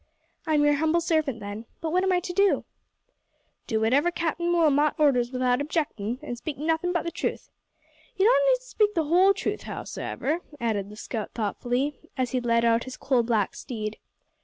"I'm your humble servant, then. But what am I to do?" "Do whatever Captain Wilmot orders without objectin', an' speak nothing but the truth. You don't need to speak the whole truth, hows'ever," added the scout thoughtfully, as he led out his coal black steed.